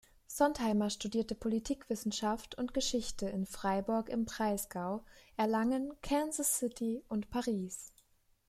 Sontheimer studierte Politikwissenschaft und Geschichte in Freiburg im Breisgau, Erlangen, Kansas City und Paris.